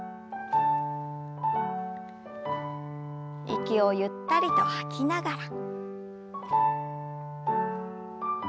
息をゆったりと吐きながら。